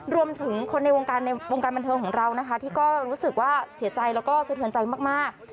รวมถึงคนในวงการในวงการบันเทิงของเรานะคะที่ก็รู้สึกว่าเสียใจแล้วก็สะเทือนใจมาก